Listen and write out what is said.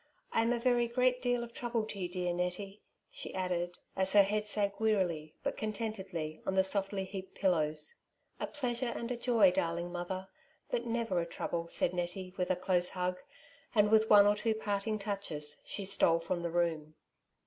" I am a very great deal of trouble to you, dear Nettie," she added^ as her head sank wearily, but contentedly, on the softly heaped pillows. '' A pleasure and a joy, darling mother, but never a trouble," said Nettie, with a close hug ; and with one or two parting touches, she stole from the room.